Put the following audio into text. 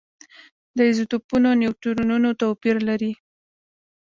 د ایزوټوپونو نیوټرونونه توپیر لري.